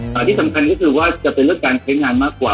แต่ที่สำคัญก็คือว่าจะเป็นเรื่องการใช้งานมากกว่า